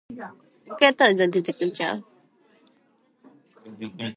She received chemotherapy treatment as a precautionary measure following surgery.